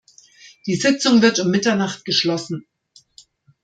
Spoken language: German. Die Sitzung wird um Mitternacht geschlossen.